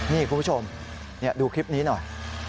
นี่คุณผู้ชมดูคลิปนี้หน่อย